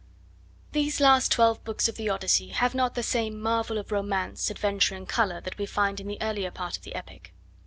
These last twelve books of the Odyssey have not the same marvel of romance, adventure and colour that we find in the earlier part of the epic.